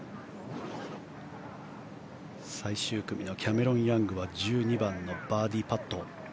最終組のキャメロン・ヤングは１２番のバーディーパット。